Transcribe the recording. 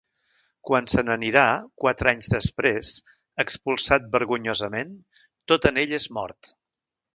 Quan se n'anirà, quatre anys després, expulsat vergonyosament, tot en ell és mort.